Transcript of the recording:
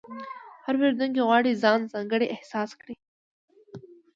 هر پیرودونکی غواړي ځان ځانګړی احساس کړي.